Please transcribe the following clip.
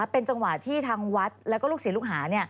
เป็นจังหวะที่ทางวัฒน์และลูกศีลลูกหา